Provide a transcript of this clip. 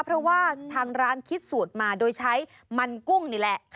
เพราะว่าทางร้านคิดสูตรมาโดยใช้มันกุ้งนี่แหละ